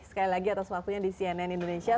sekali lagi atas waktunya di cnn indonesia